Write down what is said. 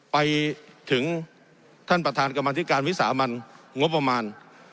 ไปถึงท่านประธานกรรมธิการวิสามันงบประมาณ